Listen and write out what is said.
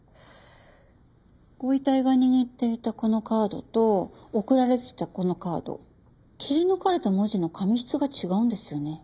ご遺体が握っていたこのカードと送られてきたこのカード切り抜かれた文字の紙質が違うんですよね。